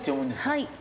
はい。